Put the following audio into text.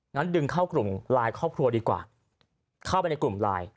ดึงเข้ากลุ่มไลน์ครอบครัวดีกว่าเข้าไปในกลุ่มไลน์